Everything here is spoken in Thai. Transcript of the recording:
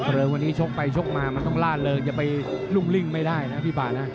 เริงวันนี้ชกไปชกมามันต้องล่าเริงจะไปรุ่งริ่งไม่ได้นะพี่ป่านะ